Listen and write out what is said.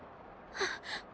あっ。